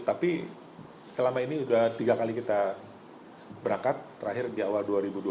tapi selama ini sudah tiga kali kita berangkat terakhir di awal dua ribu dua puluh